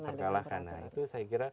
terkalahkan nah itu saya kira